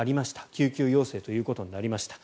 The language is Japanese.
救急要請ということになりました。